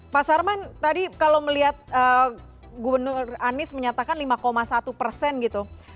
pak sarman tadi kalau melihat gubernur anies menyatakan lima satu persen gitu